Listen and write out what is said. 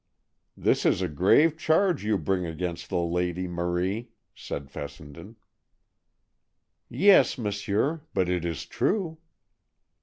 "This is a grave charge you bring against the lady, Marie," said Fessenden. "Yes, monsieur, but it is true."